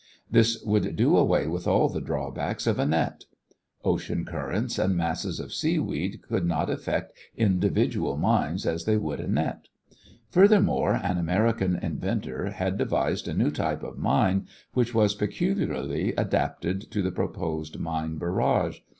This would do away with all the drawbacks of a net. Ocean currents and masses of seaweed could not affect individual mines as they would a net. Furthermore, an American inventor had devised a new type of mine which was peculiarly adapted to the proposed mine barrage.